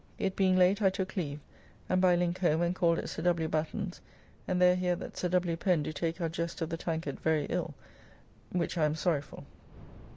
It being late I took leave, and by link home and called at Sir W. Batten's, and there hear that Sir W. Pen do take our jest of the tankard very ill, which Pam sorry for.